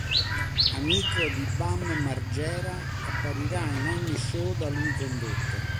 Amico di Bam Margera apparirà in ogni show da lui condotto.